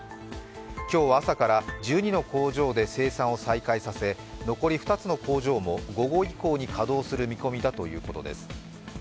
今日は朝から１２の工場で生産を再開させ、残り２つの工場も午後以降に稼働する見込みだということです。